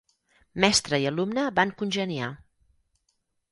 Mestra i alumna van congeniar.